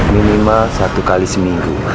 minimal satu kali seminggu